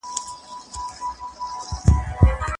زرین انځور د داستاني ادبیاتو په اړه خبري وکړې.